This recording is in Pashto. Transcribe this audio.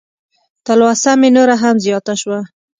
تلوسه مې نوره هم زیاته شوه.